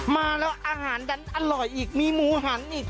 มาแล้วอาหารดันอร่อยอีกมีหมูหันอีก